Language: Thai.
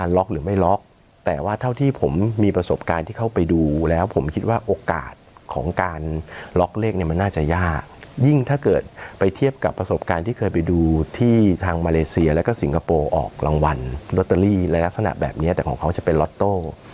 ล็อกเลขมันน่าจะยากยิ่งถ้าเกิดไปเทียบกับประสบการณ์ที่เคยไปดูที่ทางมาเลเซียและก็สิงคโปร์ออกรางวัลลอสเตอรี่และลักษณะแบบนี้แต่ของเขาจะเป็นล็อโต้